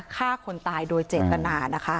ฆ่าคนตายโดยเจตนา